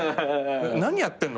何やってんの？